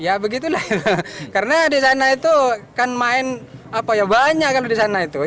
ya begitulah karena di sana itu kan main banyak kalau di sana itu